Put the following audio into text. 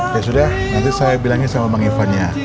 ya sudah nanti saya bilangin sama bang ivannya